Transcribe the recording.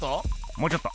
もうちょっと。